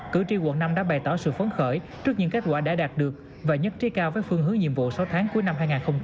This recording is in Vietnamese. cử tri quận năm đã bày tỏ sự phấn khởi trước những kết quả đã đạt được và nhất trí cao với phương hướng nhiệm vụ sáu tháng cuối năm hai nghìn hai mươi